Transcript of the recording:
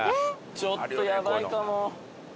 ちょっとやばいかも。